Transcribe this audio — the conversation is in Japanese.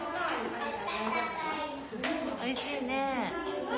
おいしいねえ。